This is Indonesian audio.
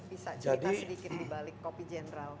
bisa cerita sedikit di balik kopi jenderal